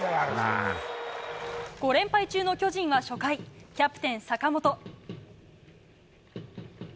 ５連敗中の巨人は初回キャプテン坂本。